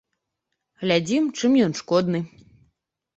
Глядзім, чым ён шкодны.